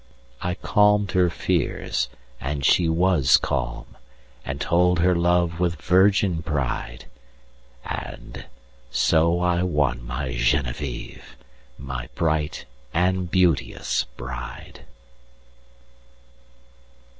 I calm'd her fears, and she was calm. And told her love with virgin pride; And so I won my Genevieve, My bright and beauteous Bride.